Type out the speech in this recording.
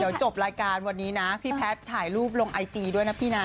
เดี๋ยวจบรายการวันนี้นะพี่แพทย์ถ่ายรูปลงไอจีด้วยนะพี่นะ